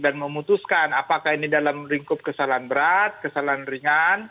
dan memutuskan apakah ini dalam lingkup kesalahan berat kesalahan berat kesalahan berat